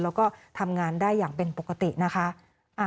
แล้วก็ทำงานได้อย่างเป็นปกตินะคะ